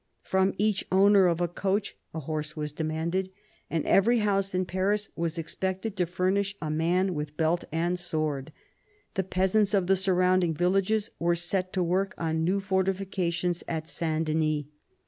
From each owner of a coach, a horse was demanded ; and every house in Paris was expected to furnish a man with belt and sword. The peasants of the surrounding villages were set to work on new fortifications at Saint Denis.